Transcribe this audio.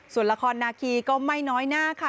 ส่วนละครนาคีก็ไม่น้อยหน้าค่ะ